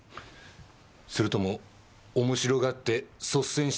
それとも面白がって率先して協力したのか？